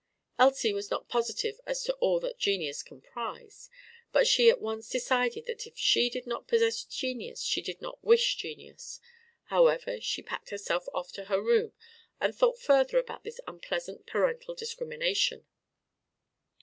Elsie was not positive as to all that genius comprised; but she at once decided that if she did not possess genius she did not wish genius. However she packed herself off to her room and thought further about this unpleasant parental discrimination.